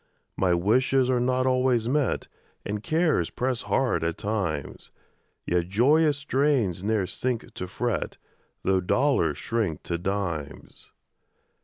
My wishes are not always met, And cares press hard at times; Yet joyous strains ne'er sink to fret, Tho' dollars shrink to dimes.